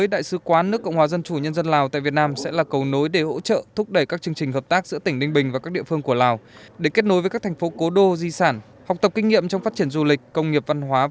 đại sứ quán nước cộng hòa dân chủ nhân dân lào tại việt nam thăm và làm việc tại tỉnh ninh bình